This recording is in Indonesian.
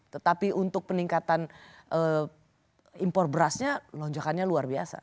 tetapi untuk peningkatan impor berasnya lonjakannya luar biasa